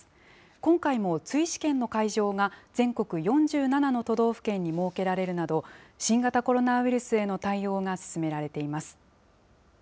今回も追試験の会場が、全国４７の都道府県に設けられるなど、新型コロナウイルスへの対応が進められています。